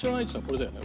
これだよね？